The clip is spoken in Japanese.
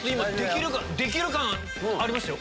できる感ありますよ。